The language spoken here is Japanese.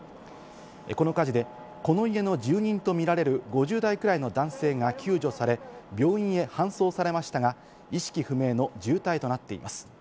この火事でこの家の住民とみられる５０代くらいの男性が救助され、病院へ搬送されましたが意識不明の重体となっています。